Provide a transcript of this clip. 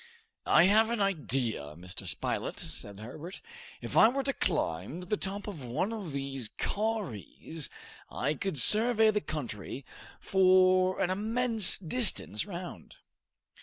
"I have an idea, Mr. Spilett," said Herbert. "If I were to climb to the top of one of these kauris, I could survey the country for an immense distance round."